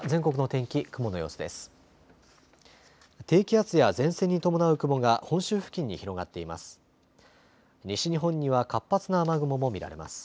低気圧や前線に伴う雲が本州付近に広がっています。